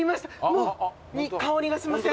もう香りがしません？